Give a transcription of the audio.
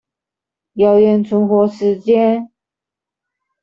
謠言存活時間